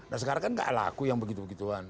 nah sekarang kan gak laku yang begitu begituan